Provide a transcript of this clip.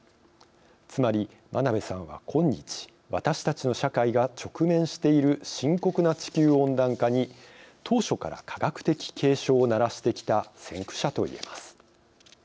つまり真鍋さんは今日私たちの社会が直面している深刻な地球温暖化に当初から科学的警鐘をならしてきた先駆者と言えます。